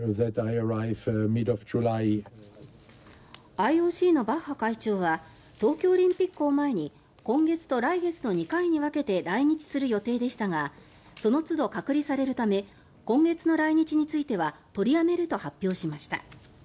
ＩＯＣのバッハ会長は東京オリンピックを前に今月と来月の２回に分けて来日する予定でしたがそのつど隔離されるため今月の来日については取りやめると発表しました。